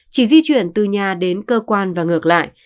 chỉ di chuyển từ nhà đến cơ quan và ngược lại